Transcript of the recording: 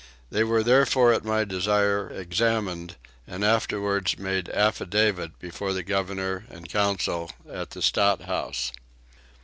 They were therefore at my desire examined, and afterwards made affidavit before the governor and council at the Stadthouse.